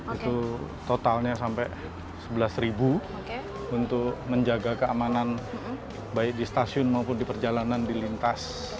itu totalnya sampai sebelas untuk menjaga keamanan baik di stasiun maupun di perjalanan di lintas